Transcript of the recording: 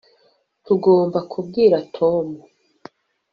tugomba kubwira tom